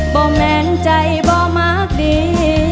่แม่นใจบ่มากดี